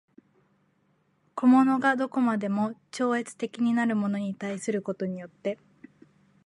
個物が何処までも超越的なるものに対することによって